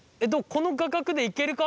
この画角でいけるか？